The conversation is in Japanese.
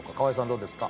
どうですか？